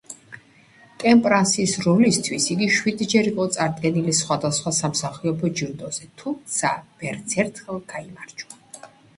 ტემპრანსის როლისათვის იგი შვიდჯერ იყო წარდგენილი სხვადასხვა სამსახიობო ჯილდოზე, თუმცა ვერცერთხელ გაიმარჯვა.